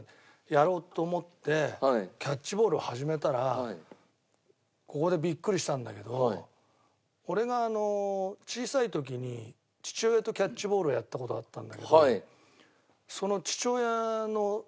やろうと思ってキャッチボールを始めたらここでビックリしたんだけど俺が小さい時に父親とキャッチボールをやった事があったんだけど。